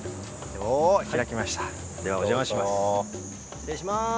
失礼します。